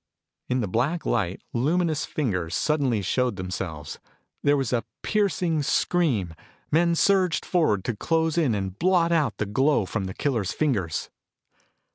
In the black light, luminous fingers suddenly showed themselves. There was a piercing scream. Men surged forward to close in and blot out the glow from the killer's fingers.